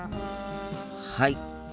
はい。